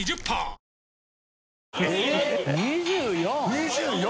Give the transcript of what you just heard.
２４！